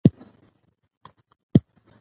هغه مشرتابه چې ولس ته غوږ نیسي بریالی وي